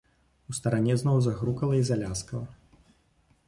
У старане зноў загрукала і заляскала.